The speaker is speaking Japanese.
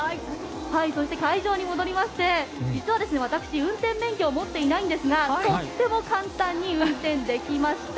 そして、会場に戻りまして実は、私運転免許を持っていないんですがとっても簡単に運転できました。